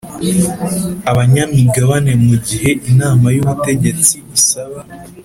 abanyamigabane Mu gihe Inama y Ubutegetsi isaba